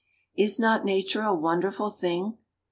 Is not nature a wonderful thing?